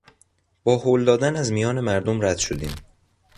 با هل دادن از میان مردم رد شدیم.